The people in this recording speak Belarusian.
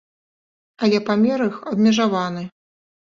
Але памер іх абмежаваны.